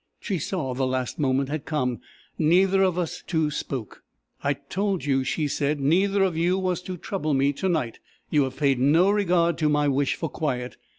"She saw the last moment was come. Neither of us two spoke. "'I told you,' she said, 'neither of you was to trouble me to night: you have paid no regard to my wish for quiet!